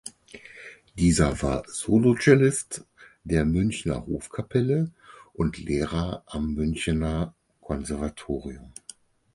Dieser war Solocellist der Münchner Hofkapelle und Lehrer am Münchener Konservatorium.